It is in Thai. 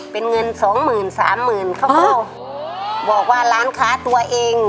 เป็นเงินสองหมื่นสามหมื่นเขาก็บอกว่าร้านค้าตัวเอง